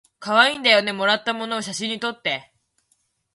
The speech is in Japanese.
かわいいんだよねもらったもの写真にとって